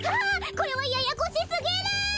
これはややこしすぎる！